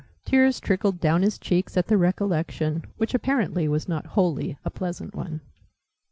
Tears trickled down his cheeks at the recollection, which apparently was not wholly a pleasant one.